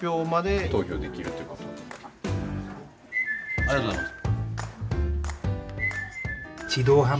ありがとうございます。